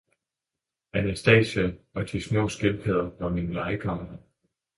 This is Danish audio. Anastasia og de små skildpadder var mine legekammerater.